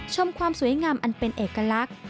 ความสวยงามอันเป็นเอกลักษณ์